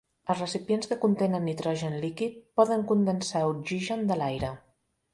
Els recipients que contenen nitrogen líquid poden condensar oxigen de l'aire.